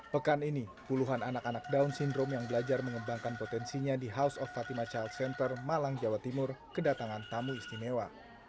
pekan ini puluhan anak anak down syndrome yang belajar mengembangkan potensinya di house of fatima child center malang jawa timur kedatangan tamu istimewa